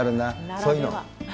そういうの。